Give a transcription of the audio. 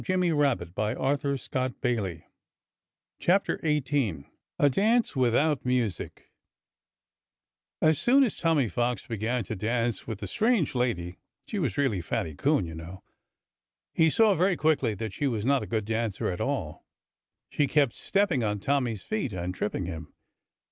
[Illustration: 18 A Dance Without Music] 18 A Dance Without Music As soon as Tommy Fox began to dance with the strange lady (she was really Fatty Coon, you know), he saw very quickly that she was not a good dancer at all. She kept stepping on Tommy's feet, and tripping him.